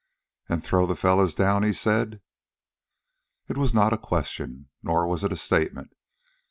"An' throw the fellows down," he said. It was not a question. Nor was it a statement.